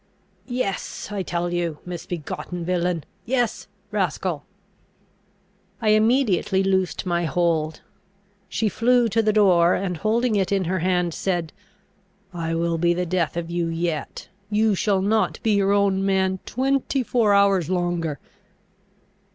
"Yes, I tell you, misbegotten villain! Yes, rascal!" I immediately loosed my hold. She flew to the door, and, holding it in her hand, said, "I will be the death of you yet: you shall not be your own man twenty four hours longer!"